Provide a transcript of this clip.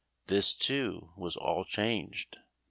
This, too, was all changed.